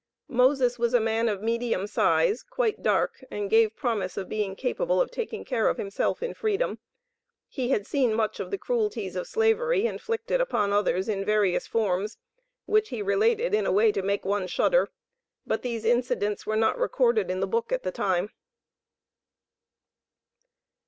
Moses was a man of medium size, quite dark, and gave promise of being capable of taking care of himself in freedom. He had seen much of the cruelties of Slavery inflicted upon others in various forms, which he related in a way to make one shudder; but these incidents were not recorded in the book at the time.